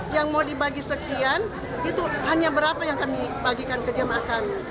yang mau dibagi sekian itu hanya berapa yang kami bagikan ke jemaah kami